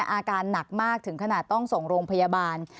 อาการหนักมากถึงขนาดต้องส่งโรงพยาบาล